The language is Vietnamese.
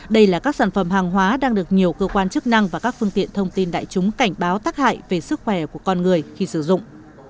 đây là các sản phẩm hàng hóa đang được nhiều cơ quan chức năng và các phương tiện thông tin đại chúng cảnh báo tác hại về sức khỏe của con người khi sử dụng